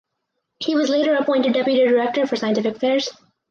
He was later appointed deputy director for scientific affairs.